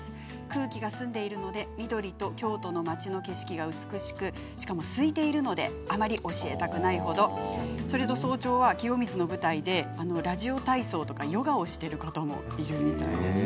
空気が澄んでいるので緑と京都の町の景色が美しくしかもすいているのであまり教えたくない程早朝は清水の舞台でラジオ体操とかヨガをしている方もいるみたいです。